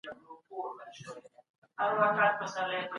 هیوادونه د پاک او سالم چاپیریال د ساتلو لپاره په ګډه کار کوي.